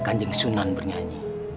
kanjeng sunan bernyanyi